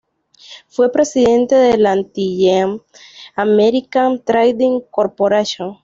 Fue presidente de la Antillean-American Trading Corporation.